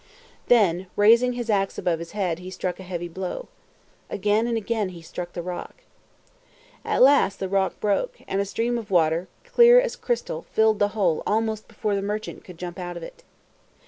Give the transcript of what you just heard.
Then, raising his ax above his head, he struck a heavy blow. Again and again he struck the rock. At last the rock broke, and a stream of water, clear as crystal, filled the hole almost before the merchant could jump out of it.